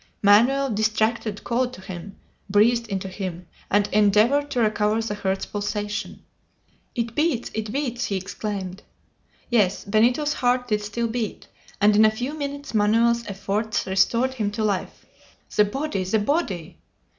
Manoel, distracted, called to him, breathed into him, and endeavored to recover the heart's pulsation. "It beats! It beats!" he exclaimed. Yes! Benito's heart did still beat, and in a few minutes Manoel's efforts restored him to life. "The body! the Body!"